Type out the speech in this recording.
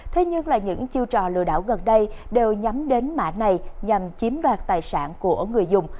thế nhưng là những chiêu trò lừa đảo gần đây đều nhắm đến mã này nhằm chiếm đoạt tài sản của người dùng